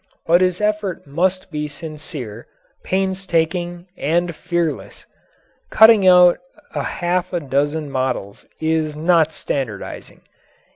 But his effort must be sincere, painstaking, and fearless. Cutting out a half a dozen models is not standardizing.